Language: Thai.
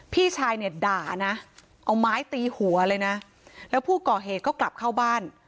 พี่ชายเนี่ยด่านะเอาไม้ตีหัวเลยนะแล้วผู้ก่อเหตุก็กลับเข้าบ้าน